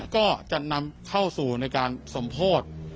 ก็จะนำเข้าสู่ในการสมโพธิ